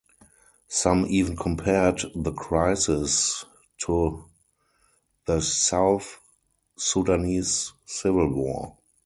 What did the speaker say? Some even compared the crisis to the South Sudanese Civil War.